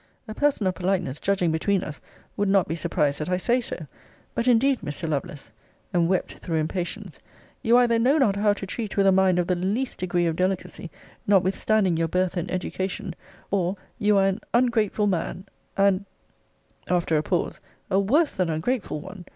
A person of politeness judging between us, would not be surprised that I say so. But indeed, Mr. Lovelace, [and wept through impatience,] you either know not how to treat with a mind of the least degree of delicacy, notwithstanding your birth and education, or you are an ungrateful man; and [after a pause] a worse than ungrateful one.